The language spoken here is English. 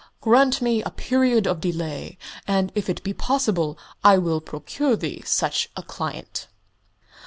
"Grant me a period of delay, and, if it be possible, I will procure thee such a client."